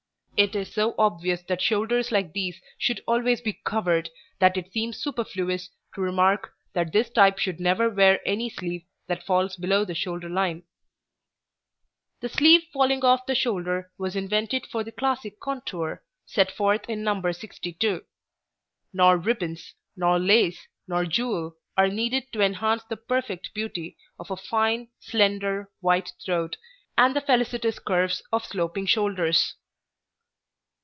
It is so obvious that shoulders like these should always be covered that it seems superfluous to remark that this type should never wear any sleeve that falls below the shoulder line. [Illustration: NO. 62] The sleeve falling off the shoulder was invented for the classic contour, set forth in No. 62. Nor ribbons, nor lace, nor jewel are needed to enhance the perfect beauty of a fine, slender, white throat, and the felicitous curves of sloping shoulders.